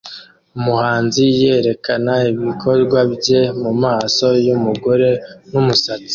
Umuhanzi yerekana ibikorwa bye mumaso yumugore numusatsi